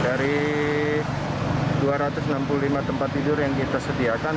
dari dua ratus enam puluh lima tempat tidur yang kita sediakan